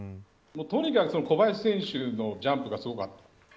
とにかく小林選手のジャンプがすごかった。